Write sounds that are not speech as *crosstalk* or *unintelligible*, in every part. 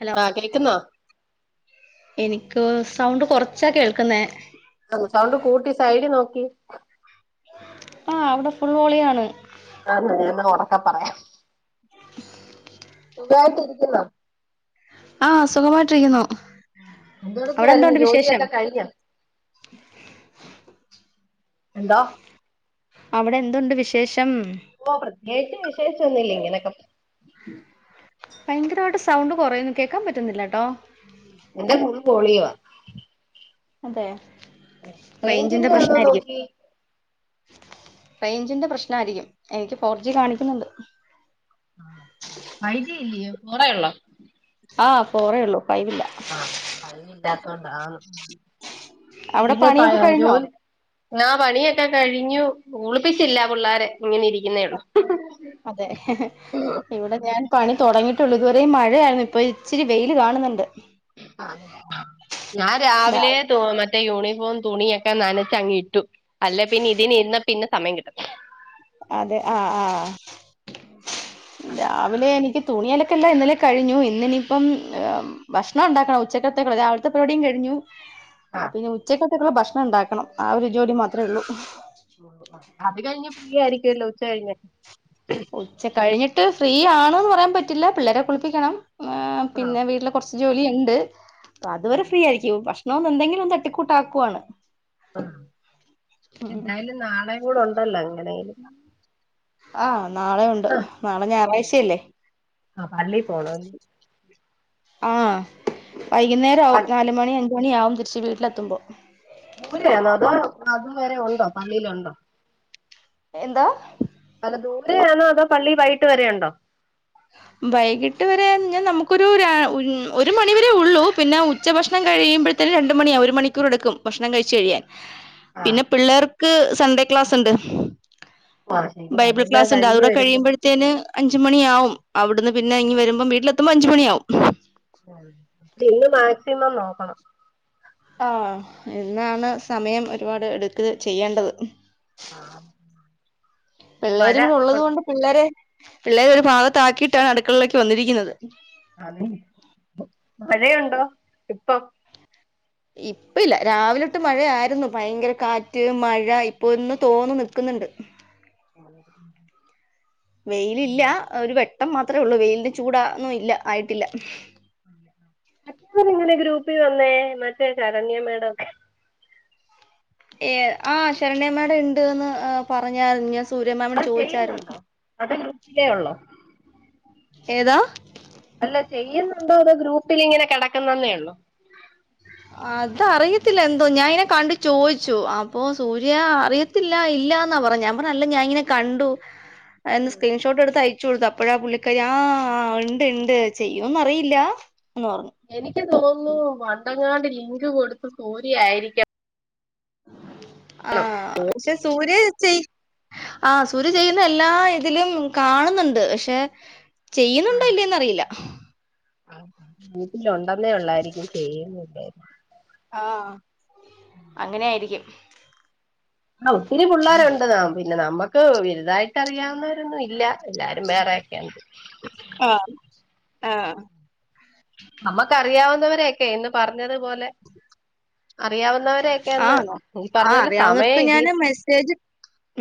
Hello ആഹ് കേക്കുന്നോ എനിക്ക് സൗണ്ട് കൊറച്ചാ കേൾക്കുന്നേ ആഹ് സൗണ്ട് കൂട്ടി സൈഡി നോക്കി ആ ഔടെ ഫുൾ വോളിയാണ് ആ ഹ് ന്നാ ഞാന്ഒറക്കെ പറയാ സുഖായിട്ടിരികുന്നോ ആഹ് സുഖമായിട്ടിരിക്കുന്നു അവിടെ എന്തോടുക്കാരുന്നു എന്തുണ്ട് വിശേഷം ജോലിഒക്കെകഴിഞ്ഞ എന്തൊ അവിടെഎന്തുണ്ട് വിശേഷം ഓ പ്രത്യേകിച്ച് വിശേശൊന്നില്ല ഇങ്ങനൊക്കെ ഭയങ്കരായിട്ട് സൗണ്ട് കൊറയുന്നു കേൾക്കാൻ പറ്റുന്നില്ലട്ടോ എന്റെ ഫുൾ വൊളീ യൊ അതെ റേയ്ഞ്ചിന്റെ റേഞ്ചിന്റെ ആന്നോ പ്രശ്നായിരിക്കും നോക്കി റേയ്ഞ്ചിന്റെ പ്രശ്നായിരിക്കും എനിക്ക് ഫോർജികാണിക്കുന്നുണ്ട് ഫൈജിഇല്ല്യോഫോറെഒള്ളോ ആഹ് ഫോറേഒള്ളൂ ഫൈവില്ല ആഹ് ഫൈവ് ല്ലാത്തൊണ്ടാന്ന് അവിടെ പിന്നെ പണിയൊക്കെ കഴിഞ്ഞോ പായജോലി ങ്ങാ പണിയൊക്കെ കഴിഞ്ഞു കുളിപ്പിച്ചില്ല പിള്ളാര ഇങ്ങനെ ഇരിക്കുന്നേ ഒള്ളു അതെ ഇവിടെ ഞാൻ പണി തുടങ്ങിയിട്ടുള്ളു ഇതുവര മഴയായിരുന്നു ഇപ്പൊ ഇച്ചിരി വെയിൽ കാണുന്നുണ്ട് ആ ഹ്ഞാൻ രാവിലെ തു മറ്റേ യൂണിഫോം തുണിയൊക്കെ നനച്ച അങ്ങ് ഇട്ടു അല്ലേ പിന്നെ ഇതിന് ഇരന്ന പിന്നെ സമയം കിട്ടത്തില്ല അതെ ആഹ് ആഹ് ആ രാവിലെ എനിക്ക് തുണി അലക്കെല്ലാം ഇന്നലെ കഴിഞ്ഞു ഇന്നി ഇനിപ്പം ഭക്ഷണം ഉണ്ടാക്കണം ഉച്ചക്കത്തേക്കുള്ള രാവില്ത്തെ പരിപാടിം കഴിഞ്ഞു ആ അപ്പം ഇനി ഉച്ചക്കത്തേക്കുള്ള ഭക്ഷണം ഉണ്ടാക്കണം ആ ഒരു ജോഡി മാത്രമേ ഒള്ളൂ അത് കഴിഞ്ഞ് ഫ്രീ ആയിരിക്കല്ലോ ഉച്ച കഴിഞ്ഞ് ഉച്ച കഴിഞ്ഞിട്ട് ഫ്രീ ആണ്ന്ന് പറയാൻ പറ്റില്ല പിള്ളേരെ കുളിപ്പിക്കണം ആ പിന്നെ വീട്ടിലെ കുറച്ച്ജോലി ഉണ്ട് അപ്പ ആ, അതുവരെ ഫ്രീ ആയിരിക്കും ഭക്ഷണ എന്തെങ്കിലും ഒന്ന് തട്ടിക്കൂട്ടാക്കുവാണ് ആഹ് എന്തായാലും നാളെ കൂടെ ഉണ്ടല്ലോ എങ്ങനെയാലും ആഹ് നാളെ ഉണ്ട് നാളെ ഉം. ഞായറാഴ്ച്ചയല്ലേ ആ, പള്ളി പോണമല്ലോ ആഹ് വൈകുന്നേര ആവും നാലുമണി അ ഞ്ച് മണിയാവും തിരിച്ച് വീട്ടിലെത്തുമ്പം ദൂര അത് അതുവരെ ഉണ്ടോ അതുവരെ ഉണ്ടോ പള്ളിയിലുണ്ടോ എന്താ അല്ല ദൂര ആണോ അതോ പള്ളി വൈകിട്ട് വരെണ്ടോ വൈകിട്ട് വരെ ഞ്ഞ നമുക്കൊരു ഒരു മണിവരെ ഒള്ളൂ പിന്നെ ഉച്ചഭക്ഷണം കഴിയുമ്പഴ ത്തേനും രണ്ട് മണി ഒരു മണിക്കൂർ എടുക്കും ഭക്ഷണം കഴിച്ച്കഴിയാൻ ആ പിന്നെ പിള്ളേർക്ക് സൺഡേ ക്ലാസ് ണ്ട് ആ ശരി ബൈബിൾ അതെല്ലാം ക്ലാസ് ണ്ട് കഴിഞ്ഞു അതുകൂടെ വരുമ്പോ കഴിയുമ്പഴ ത്തേന് അഞ്ച് മണിയാവും അവിടുന്ന് പിന്നെ ഇങ്ങി വരുമ്പോം വീട്ടിലെത്തുമ്പം അഞ്ച്മണിയാവും ഇന്ന് മാക്സിമം നോക്കണം ആ എന്നാണ് സമയം ഒരുപാട് എടുക്ക ചെയ്യേണ്ടത്. ആ, മഴ പിെള്ളേരും കൂ ഉള്ളത് ഉണ്ട്. കൊൊണ്ട്. പിള്ളേരെ പിള്ളേ ഒരു ഭാഗത്ത ആാക്കിയിട്ടാണ് അടുക്കളയിലേക്ക് വന്നിരിക്കുന്നത്. അതെ മഴയുണ്ടോ ഇപ്പൊ. ഇപ്പ ഇല്ല രാവില ഇട്ട് മഴ ആായിരുന്നു ഭയങ്കര കാറ്റ് മഴ ഇപ്പൊ ഇന്ന് തോന്നു നിൽക്കുന്നുണ്ട്. *inaudible* വെയിലില്ല ഒരു വെട്ടം മാത്രമേ ഉള്ളൂ വെയിലിന്റെ ചൂടൊന്നും ഇല്ല ആയിട്ടില്ല. *inaudible* മറ്റവർങ്ങനെ ഗ്രൂപ്പിൽ വന്നേ മറ്റേ ശരണ്യ മേഡം. ഏ ആ ശരണയമ്മയുടെ ഉണ്ട്ന്ന് പറഞ്ഞഞ്ഞ അത് ചെയ്യുന്നുണ്ടോ അത് ൃട്ടികേ ഉള്ളൂ. ഏതാ. അല്ല ചെയ്യുന്നുണ്ടോ അതോ ഗ്രൂപ്പിൽിങ്ങനെ കിടക്കുന്നതന്നേ ഉള്ളോ. അത അറിയത്തില്ല എന്തോ ഞാനെ കണ്ട ചോദിച്ചു അപ്പോൊ സൂര്യ അറിയ ല്ല ഇല്ലാന്നാ പറ ഞാ പറല്ല ഞാ ഇങ്ങനെ കണ്ടു എന്ന് ഉം സ്ക്രീൻഷോട്ട് എടുത്ത്യ ച്ച കൊടുത്ത അപ്പഴാ പുള്ളിക്കാരി ആ ഉണ്ട് ഉണ്ട് ചെയ്യുംന്ന് അറിയില്ല എന്ന് പറഞ്ഞു. എനിക്ക് തോന്നുന്നു വണ്ടങ്ങാട് ലിങ്ക് കൊടുത്ത സൂരിയായിരിക്കാം. ആഹ പക്ഷെ സൂര്യ ചച്ച ആഹ സൂര്യ ചെയ്യുന്ന എല്ലാ ഇതിലും കാണുന്നുണ്ട് പക്ഷെ ചെയ്യുന്നുണ്ടോ ഇല്ലേന്ന്റിയില്ല. ആ വീട്ടിൽ ഉണ്ടെന്നേ ഉള്ളായിരിക്കും ചെയ്യുന്നായിരിക്കും. ആഹ അങ്ങനെയിരിക്കും. ആ ഒത്തിരി പിള്ളേരുണ്ട് ന പിന്നെ നമ്മുക്ക് വലുതായിട്ട് അറിയാവുന്നവരൊന്നും ഇല്ല. എല്ലാരും വേറെയക്കെയണ്ട്. ആഹ ആഹ നമ്മുക്കറിയാവുന്നവരൊക്കെ ഇന്ന് പറഞ്ഞതുപോലെ. അറിയാവുന്നവരൊക്കെയന്ന് ഈ പറഞ്ഞലെ സമയം ഇതി മെസജ്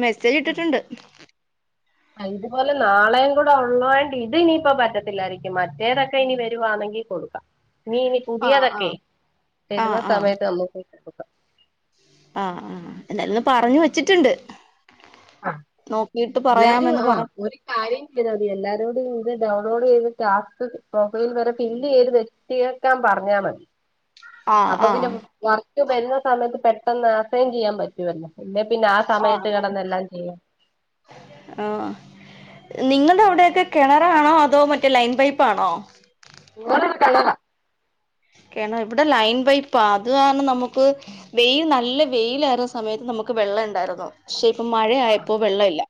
മെസ്സേജ് ഇട്ടിട്ടുണ്ട്. ഇതുപോലെ നാളെയും കൂടെ ഉള്ളത്ഇത് ഇനിയിപ്പോ പറ്റത്തില്ലായിരിക്കും മറ്റേതൊക്കെ ഇനി വരുവാണെങ്കിൽ കൊടുക്കാം. നീ ഇനി ആഹ് പുതിയതൊക്കെ ആഹ് ആഹ് വരുന്ന ആഹ് സമയത്ത്! ! ആഹ് ആ എന്നാലന്ന് പറഞ്ഞു വെച്ചിട്ടുണ്ട്. ആഹ് നോക്കിട്ട് എല്ലാരും പറയാമന്ന് പറ ആഹ് ഒരു കാര്യം ചെയ് മതി എല്ലാരോടും ഇത് ഡൗൺലോഡ് ചെയ്തിട്ട് ആപ്പ് പ്രൊഫൈൽ വരെ ഫില്ല് ചെയ്ത്. തീർ ക്കാൻ പറഞ്ഞാ മതി. ആഹ് അപ്പൊ പിന്നെ ആഹ് വർക്ക് വരുന്ന സമയത്ത് പെട്ടെന്ന് അസൈൻ ചെയ്യാൻ പറ്റുവല്ലോ? അല്ലെ പിന്നെ ആ സമയത്ത് കിടന്നെല്ലാം ചെയ്യാം. ആ നിങ്ങുടെ അവിടെയൊക്കെ കിണറാണോ അതോ മറ്റേ ലൈൻ പൈപ്പ്. ആണോ? *unintelligible* കേണ ഇവിടെ ലൈൻ പൈപ്പാ അതാണ് നമുക്ക് വെയിൽ നല്ല വെയില.. സമയത്ത് നമുക്ക് വെള്ളം ഉണ്ടായിരുന്നു പക്ഷെ ഇപ്പൊ മഴയപ്പോ വെള്ള ഇല്ല.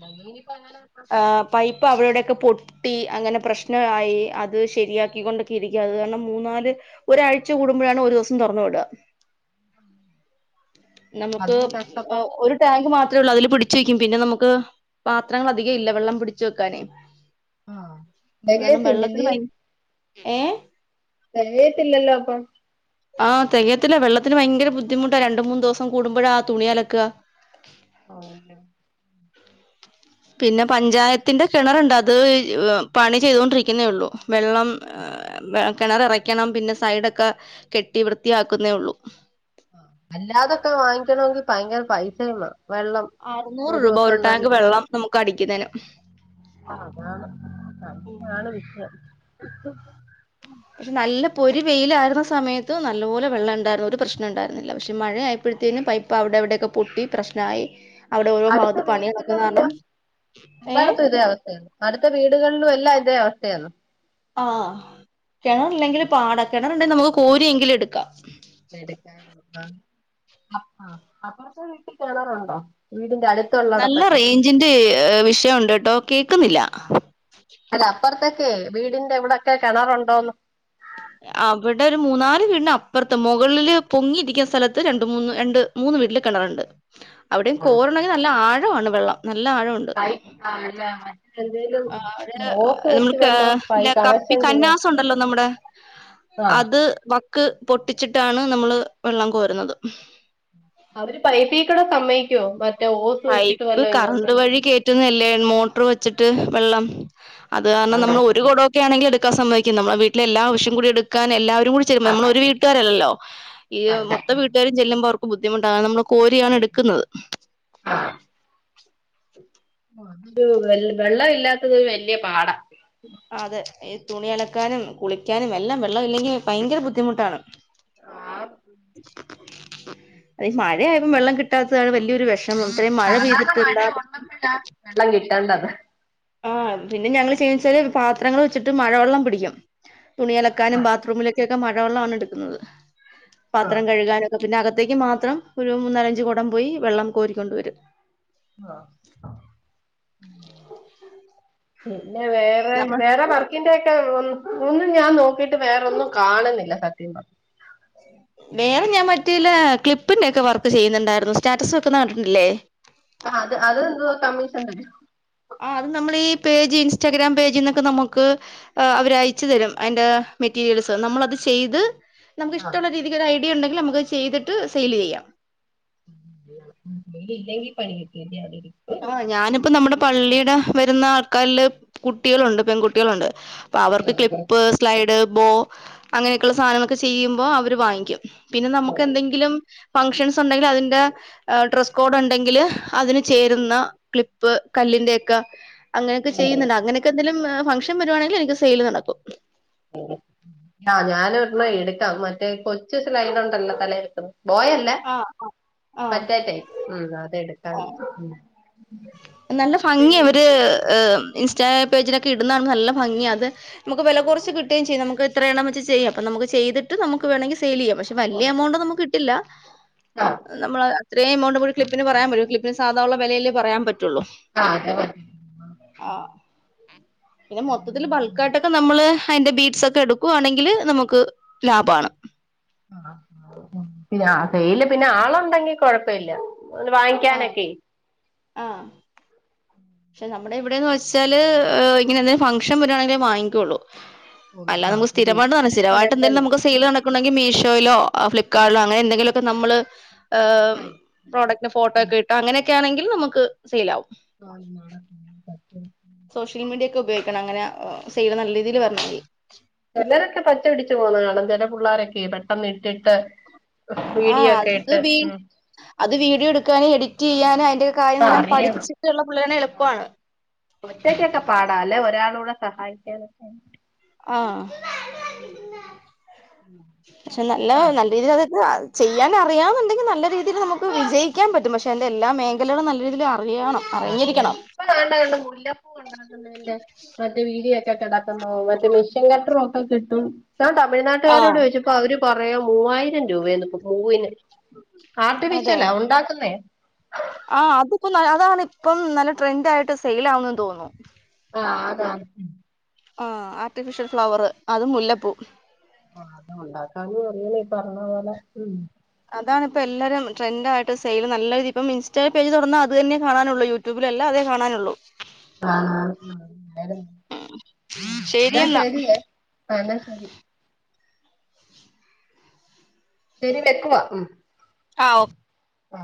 ല്ല നീനിപ്പ അങ്ങനെ. ആ പൈപ്പ് അ അവടെൊക്കെ പൊട്ടി ട്ടി അങ്ങനെ പ്രശ്നയി അത് ശരിയാക്ക കൊണ്ടക്കെ ഇരിക്കുക അത് കാരണം മൂന്നാല് ഒരാഴ്ച കൂടുമ്പോഴാണ് ഒരു ദിവസം തുറന്നു വിട. നമുക്ക് അതിന് കഷ്ടപ്പാ ഒരു ടാങ്ക് മാത്രേ ഉള്ളൂ അതില് പിടിച്ച് വെക്കും പിന്നെ നമുക്ക് പാത്രങ്ങൾ അധികം ഇല്ല വെള്ളം പിടിച് വെക്കാന്. ആഹ് ലും തികയത്തില്ലല്ലേ വെള്ളത്തിന്യ ഏ. കഴയത്തില്ലല്ലോ അപ്പൊ. ആഹ തികയത്തില്ല വെള്ളത്തിന് ഭയങ്കര ബുദ്ധിമുട്ടാ രണ്ട മൂന്ന് ദിവസം കൂടുമ്പോഴാ ആഹ തുണി അലക്ക ആഹ *unintelligible* പിന്നെ അതെന്തോ ചെയ്യും പഞ്ചായത്തിന്റെ കിണറുണ്ട് അത് പണി ചെയ്തുകൊണ്ടിരിക്കുന്നേ ഉള്ളു വെള്ളം കിണർ ഇറക്കണം പിന്നെ സൈഡൊക്കെ കെട്ടി വൃത്തിയാക്കുന്നേ ഉള്ളൂ അല്ലാതൊക്കെ വാങ്ങിക്കണമെങ്കിൽ ഭയങ്കര പൈസ വെള്ളം അറുന്നൂറ് രൂപ ഒരു ദിവസം തന്നെ ടാങ്ക് വെള്ളം നമുക്ക് അടിക്കുന്നന് അതാണ് അങ്ങാണ് വിഷയം പക്ഷെ നല്ല പൊരി വെയിലായിരുന്ന സമയത്ത് നല്ലോലെ വെള്ളം ഉണ്ടായിരുന്നു ഒരു പ്രശ്നം പ്രശ്നം ഉണ്ടായിരുന്നില്ല പക്ഷെ മഴയപ്പോഴത്തേനും പൈപ്പ് അവിടെവിടെയൊക്കെ പൊട്ടി പ്രശ്നമായി അവിടെ ഓരോ അടുത്ത ഭാഗത്ത് പണി വീട്ൽ നടക്കുന്ന ഒന്ന്ല്ല കാരണം ഏ എല്ലായിടത്തും ഇതേ അവസ്ഥയാണ് അടുത്ത വീടുകളിലും എല്ലാം ഇതേ അവസ്ഥയണ് ആഹ കിണറ ഇല്ലെങ്കിൽ പാട കിണർണ്ടെങ്കിൽ നമുക്ക് കോരിയെങ്കിലും എടുക്കാം ! ! അപ്പറത്തെ വീട്ടിൽ കിണാറുണ്ടോ വീടിന്റെ അടുത്ത് നല്ല റേഞ്ചിന്റെ വിഷയണ്ട്ട്ടോ കേൾക്കുന്നില്ല അല്ല അപ്പുറത്തൊക്കെ വീടിന്റെ എവിടൊക്കെ കിണറുണ്ടോന്ന് അവിടെ ഒരു മൂന്നാല് വീടിന് അപ്പുറത്ത് മുകളില് പൊങ്ങിയിരിക്കുന്ന സ്ഥലത്ത് രണ്ട് മൂന്ന് രണ്ട് മൂന്ന് വീട്ടിൽ കിണറുണ്ട് അവിടെയും കോരണ്ങ്കിൽ നല്ല ആഴമാണ് വെള്ളം നല്ല ആഴമുണ്ട് *unintelligible* ആഹ ഓസ് അ വെച്ച് നമ്മക്ക് വല്ലോ പൈ ല്ല കപ്പി കണക്ഷൻ ചെയ്യണം കന്നാസ് ഉണ്ടല്ലോ നമ്മുടെ ആ അത് വക്ക് പൊട്ടിച്ചിട്ടാണ് നമ്മള് വെള്ളം കോരുന്നത് അവര് പൈപ്പക്കൂടെ സമ്മയ്ക്കോ.. പൈപ്പ് കറണ്ട് വഴി കേറ്റി ന്നല്ല്യ മോട്ടർ വെച്ചിട്ട് വെള്ളം അത് കാരണം നമ്മൾ ഒരു കൊട ആങ്കിൽ എടുക്കൻ സംഭവിക്കും നമ്മള് വീട്ലെ എാല്ലേ ആവശ്യം കൂട എടുക്കാൻ എല്ലാ.. കൂ ചെ ആ നമ്മ ഒരു പറ്റത്തില്ല. വീട്ടുകാരല്ലോ ഈ അല്ല മൊത്ത വീട്ടുകാരും ചെല്ലുമ്പോ അവർക്ക് ബുദ്ധിമുട്ട കും കോരിയാണ് ശരി എടുക്കുന്നത് ആ ഓഹ അതൊരു വെള്ളം ഇല്ലാത്തതൊരു വലിയ പാടാ അതെഈ തുണി അലക്കാനും കുളിക്കാനും എല്ലാം വെള്ളം ഇല്ലെങ്കി ഭയങ്കര ബുദ്ധിമുട്ടാണ് അതെ മഴയ്പം വെള്ളം കിട്ടാത്തതാണ് വലിയൊരു വിഷം ഇത്രയും മഴ സാധാരണ മഴ പെയ്തിട്ടന്താ ഉള്ളപ്പോഴാ വെള്ളം കിട്ടണ്ടത് ആഹ പിന്നെ ഞങ്ങള്ൾചെയ്യച്ചാല് പാത്രങ്ങൾ വെച്ചിട്ട് മഴവെള്ളം പിടിക്കും തുണി അലക്കാനും ബാത്റൂമിലൊക്കെക്കെ മഴവെള്ളമാണ് എടുക്കുന്നത് പാത്രം കഴുകാനും പിന്നെ അകത്തേക്ക് മാത്രം ഒരു മൂന്നാലഞ്ചച് കൊടം പോയി വെള്ളം കോരിക്കൊണ്ട വരും ആഹ പിന്നെ വേറെ നമ്മൾ വേറെ വർ ക്കിന്റെ ഒക്കെ ഒന്നും ഞാൻ നോക്കിയിട്ട് വേറൊന്നും കാണുന്നില്ല സത്യം പറ വേറെ ഞാൻ മറ്റേല്ല ക്ലിപ്പിന്റെറെ ഒക്കെ വർക്ക് ചെയ്യുന്നുണ്ടായിരുന്നു സ്റ്റാറ്റസ് വെക്കുന്ന കണ്ടിട്ടില്ലേ ആഹ അത് അതെന്തുവാ കമ്മീഷൻ വരും ആഹ അത് നമ്മൾ ഈ പേജ് ഇൻസ്റ്റാഗ്രാം പേജിൽ നിന്നൊക്കെ നമുക്ക് അവര്യച്ചു തരും അതിന്റെ മെറ്റീരിയൽസ് നമ്മളത് ചെയ്ത് ആ നമുക്ക്ഷ്ടമുള്ള രീതിയില ഒരു ഐഡിയ ഉണ്ടെങ്കിൽ നമുക്ക്ത് ചെയ്തിട്ട് സെയിൽ ചെയ്യാം ഇല്ലെങ്കി പണി കട്ട *unintelligible* ആഹ ഞാനിപ്പ നമ്മുടെ പള്ളിയുടെ വരുന്ന ആൾക്കാരില് കുട്ടികളുണ്ട് പെൺകുട്ടികളുണ്ട് അഹ അവർക്ക് ക്ലിപ്പേ സ്ലൈഡ് ബോ അങ്ങനെയൊക്കെയള്ള സാധനങ്ങളൊക്കെ ചെയ്യുമ്പോ അവര് വാങ്ങിക്കും പിന്നെ നമുക്ക് എന്തെങ്കിലും ഫംഗഷൻസ് ഉണ്ടെങ്കിൽ അതിന്റെ ഡ്രസ്സ് കോഡ് ഉണ്ടെങ്കിൽ അതിന് ചേര് ന്ന ക്ലിപ്പ് കല്ലിന്റെ ഒക്കെ അങ്ങനെയൊക്കെ ചെയ്യുന്നുണ്ട് അങ്ങന എ എന്തങ്കിലും ഫങ്ക്ഷൻ വരുവാണെങ്കിൽ എനിക്ക് സെയിൽ നടക്കും ആ ഞാൻ ഒരെണ്ണം എടുക്കാം മറ്റേ കൊച്ചുസ്ലൈടൊണ്ടല്ലോ തലേലുത്തണെ പോയൽ ട്ലെ ആഹ് ആഹ് മറ്റേതേ ഉം അതെടുക്കാൻ ആഹ് മ് നല്ല ഭംഗിയ അവര് ഹ് ഇൻസ്റ്റാ പേജിലൊക്കെ ഇടുന്നതാണ് നല്ല ഭംഗിയ അത് നമുക്ക് വില കുറച്ച് കിട്ടുകയും ചെയ്യും നമക്ക് ഇത്ര എണ്ണം വെച്ച് ചെയ്യാം അപ്പ നമുക്ക് ചെയ്തി് ട്ട് നമുക്ക് വേണെിങ്കി സെയിലീയ്യാം പക്ഷ വല്ല്യ കൊടുക്കാം എമൗണ്ടൊന്നും കിട്ടില്ല ആ നമ്മള് അത്രയും എമൗണ്ട് കൂടി ക്ലിപ്പിന് പറയാൻ പറ്റൂ ക്ലിപ്പിന് സാധാ ഒള്ള വെലയല്ലേ പറയാൻ പറ്റുള്ളൂ ആ അതെ പോലെ ആ പിന്നെ മൊത്തത്തില് ബൾക്കായിട്ടൊക്കെ നമ്മള് അയിന്റെ ബീറ്റ്സൊക്കെ എടുക്കുവാണെങ്കില് നമുക്ക് ലാഭാണ് പിന്ന ഡെയിലി പിന്നെ ആളൊണ്ടെങ്കി കൊഴപ്പയില്ല ഒന്ന് ആ വാങ്ങിക്കാനൊക്കെ ആ പക്ഷെ നമ്മുടെ ഇവിടെന്ന് വെച്ചാല് ഇങ്ങനെന്തെങ്കിലും ഫംഗ്ഷൻ വരുവാണെങ്കിലേ വാങ്ങിക്കുള്ളൂ ഉള്ളു അല്ലാതെ ആ നമു ശരി സ്ഥിരമായിട്ട് എപ്പഴും സ്ഥിരമായിട്ടെന്തെങ്കിലും വേണ്ടല്ലോ നമുക്ക് സെയിലട ക്കണ്ടെങ്കി മീഷോയിലോ ഫ്ലിപ്കാട്ടിലോ അങ്ങനെ എന്തെിലൊക്കെ നമ്മള്, ഏ പ്രൊഡക്റ്റന്റെ ഫോട്ടോ ഒക്കെ ഇട്ടാ അങ്ങനെയൊക്കെയാണെങ്കിൽ നമുക്ക് സെയിലാവും *unintelligible* സോഷ്യൽ മീഡിയ ഒക്കെ ഉപയോഗിക്കണം അങ്ങനെ സെയില് നല്ല രീതിൽ വരണെങ്കില് ചെലരൊക്കെ പച്ച പിടിച്ചു പോന്നത് കാണാം ചെല പുള്ളാരൊക്കെ പെട്ടെന്ന് ഇട്ടിട്ട് ആ വീഡിയോ ഒക്കെ അത് ഇട്ട് വീ ഉം അത് വീഡിയോ എടുക്കാനും എഡിറ്റീയ്യാനും അതിന്റെ കാര്യങ്ങളെല്ലാം അറിയണം പഠിച്ചിട്ടുള്ള പുള്ളേരാണെങ്കി എളുപ്പാണ് ഒറ്റക്കൊക്കെ പാടാ അല്ലേ ഒരാളൂടെ സഹായിക്കാനൊക്കെ ആ പക്ഷെ നല്ല ആ നല്ല അറിയാം രീതില് അതൊന്ന ചെയ്യാൻ അറിയന്നുണ്ടെങ്കി നല്ല രീതിയില് നമുക്ക് വിജയിക്കാൻ പറ്റും പക്ഷെ എൻ്റെ എല്ലാ മേഖലകളും നല്ല രീതില് അറിയണം അറിയണം അറിഞ്ഞിരിക്കണം ഇപ്പൊ കണ്ട മുല്ലപ്പൂ ഒണ്ടാക്കുന്നതിന്റെ മറ്റ് വീഡിയൊക്കെ കട ട്ടമോ മറ്റ് മിഷ്യൻ കട്ടറും ഒക്കെ കിട്ടും താൻ ആ തമി്നാട്ടുകാരോട് ചോയിച്ച പ്പൊ അവര് പറയാ മൂവായിരം രൂപേന്ന് പൂവിന് ആർട്ടിഫിഷ്യലാ ഒണ്ടാക്കുന്നേ ആ അതുപ്പം ന അതാണിപ്പം നല്ല ട്രെൻഡായിട്ട് സെയിലാവുന്നെന്ന് തോന്നുന്നു ആ അതാണ് ആ ആർട്ടിഫിഷ്യൽ ഫ്ലവറ് അത് മുല്ലപ്പൂ ആ അത് ഒണ്ടാക്കാനും അറിയണം ഈ പറഞ്ഞ പോലെ ഉം അതാണിപ്പ എല്ലാരും ട്രെൻഡായിട്ട് സെയില് നല്ല ഇതിപ്പം ഇൻസ്റ്റപേജ് തൊറന്നാ അതന്നെ കാണാനുള്ളൂ യൂ ട്യൂബിലെല്ലാ അതേ കാണാനുള്ളൂ ആ ഉം എന്നാ ശരിയെന്നാ ശരിയേ ആ എന്നാ ശരി ശരി വെക്കുവാ ഉം ആ ഓ ആ